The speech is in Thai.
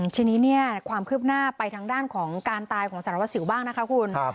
ทางนี้เนี่ยความคลิบหน้าไปทางด้านของการตายของสหราวศิลป์บ้างนะคะคุณค่ะ